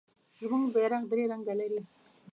زمونږ بیرغ درې رنګه لري.